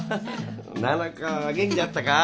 七香元気だったか？